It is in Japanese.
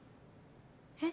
えっ？